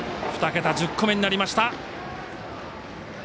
２桁１０個目になりました。